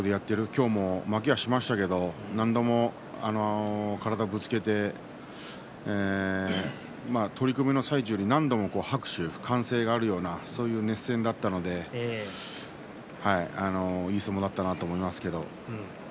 今日も負けはしましたけど何度も体をぶつけて取組の最中に何度も拍手、歓声が上がるようなそんな熱戦だったのでいい相撲だったなと思いますけど。